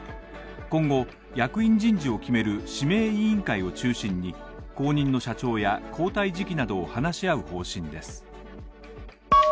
今後、役員人事を決める指名委員会を中心に、後任の社長や交代時期などを話し合う方針です。